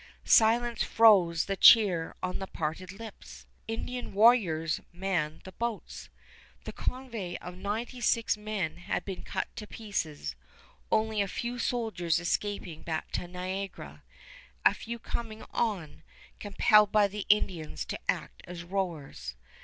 Silence froze the cheer on the parted lips. Indian warriors manned the boats. The convoy of ninety six men had been cut to pieces, only a few soldiers escaping back to Niagara, a few coming on, compelled by the Indians to act as rowers.